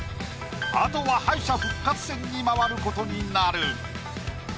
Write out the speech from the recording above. あとは敗者復活戦に回ることになる。